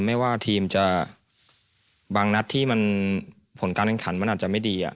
ไม่ว่าทีมจะบางนัดที่มันผลการแข่งขันมันอาจจะไม่ดี